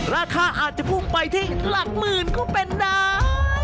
ราคาอาจจะพุ่งไปที่หลักหมื่นก็เป็นได้